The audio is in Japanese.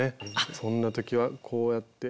そんな時はこうやって。